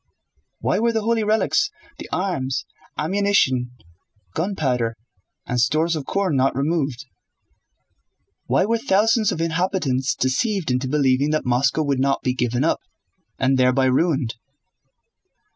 "Why were the holy relics, the arms, ammunition, gunpowder, and stores of corn not removed? Why were thousands of inhabitants deceived into believing that Moscow would not be given up—and thereby ruined?"